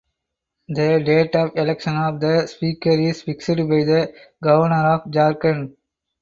The date of election of the speaker is fixed by the Governor of Jharkhand.